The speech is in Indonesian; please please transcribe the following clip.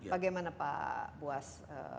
bagaimana pak buas